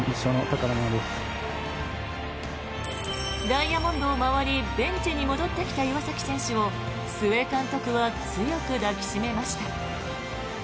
ダイヤモンドを回りベンチに戻ってきた岩崎選手を須江監督は強く抱き締めました。